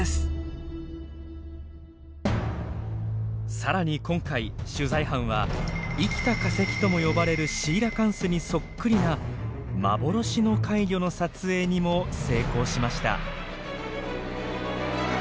更に今回取材班は生きた化石とも呼ばれるシーラカンスにそっくりな「幻の怪魚」の撮影にも成功しました。